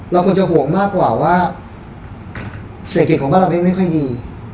เราควรจะห่วงมากกว่าว่าเศรษฐกิจของบ้านเราเองไม่ค่อยดี